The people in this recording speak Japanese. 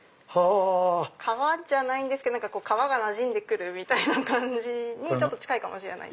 革じゃないんですけど革がなじんで来るみたいな感じに近いかもしれないです。